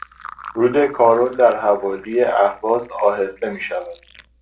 رود کارون در حوالی اهواز آهسته میشود.